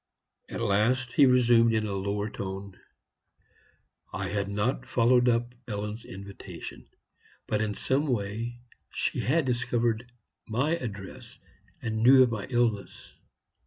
At last he resumed in a lower tone: "I had not followed up Ellen's invitation. But in some way she had discovered my address, and knew of my illness.